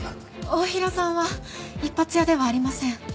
太平さんは一発屋ではありません。